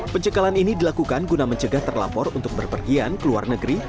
pencekalan ini dilakukan guna mencegah terlapor untuk berpergian ke luar negeri